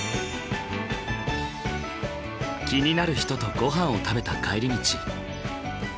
気になる人とごはんを食べた帰り道。